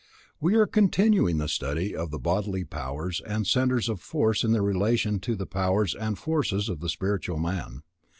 We are continuing the study of the bodily powers and centres of force in their relation to the powers and forces of the spiritual man.